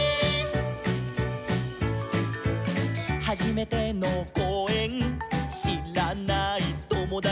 「はじめてのこうえんしらないともだち」